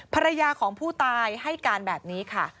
ภรรยาของผู้ตายให้การแบบนี้ค่ะ